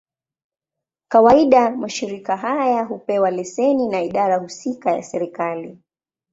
Kawaida, mashirika haya hupewa leseni na idara husika ya serikali.